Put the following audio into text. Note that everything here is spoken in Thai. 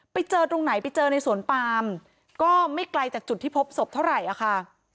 ไปเจอตรงไหนไปเจอในสวนปามก็ไม่ไกลจากจุดที่พบศพเท่าไหร่อะค่ะ